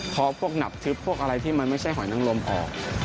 พอพวกหนับทึบพวกอะไรที่มันไม่ใช่หอยนังลมออก